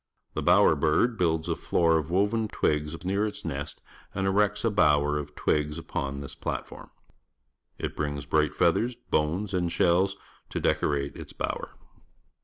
The bower liird builds a floor of woven twigs near its nest and erects a bower of twigs upon this plat form. It brings bright feathers, bones, and shells to decorate its bower.